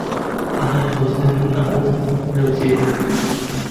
ئەڵێ خۆزگا من ئەبووم لەو جێدا